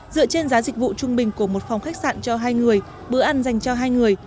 dựa trên giá dịch vụ trung bình của một phòng khách sạn cho hai người bữa ăn dành cho hai người